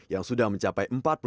yang sudah mencapai empat puluh persen